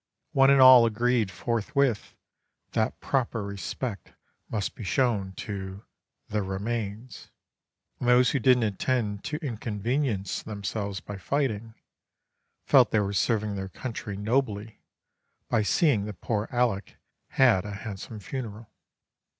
One and all agreed forthwith that proper respect must be shown to "the remains"; and those who didn't intend to inconvenience themselves by fighting, felt they were serving their country nobly by seeing that poor Aleck had a handsome funeral.